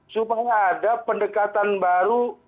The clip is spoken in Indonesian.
supaya ada pendekatan baru